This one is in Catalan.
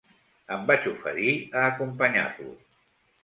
Em vaig oferir a acompanyar-lo.